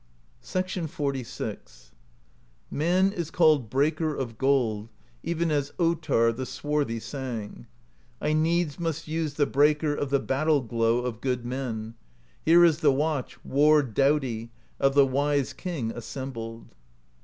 XLVI. "Man is called Breaker of Gold, even as Ottarr the Swarthy sang: I needs must use the Breaker Of the Battle Glow of good men; Here is the watch war doughty Of the Wise King assembled.